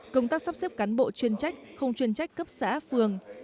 công tác sắp xếp cán bộ chuyên trách không chuyên trách cấp xã phường